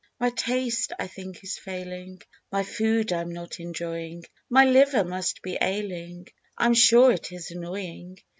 My taste, I think is failing, My food I'm not enjoying, My liver must be ailing, I'm sure it is annoying.